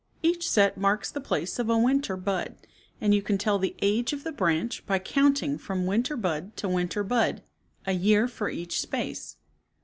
Each set marks the place of a winter bud, and you can tell the age of the branch by counting from winter bud to winter bud, a year for each space.